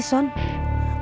masa mainnya ular tangga